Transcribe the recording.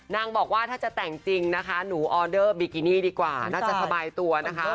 บอกว่าถ้าจะแต่งจริงนะคะหนูออเดอร์บิกินี่ดีกว่าน่าจะสบายตัวนะคะ